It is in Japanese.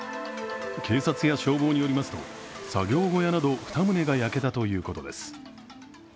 警察や消防によりますと、作業小屋など２棟が焼けたということです。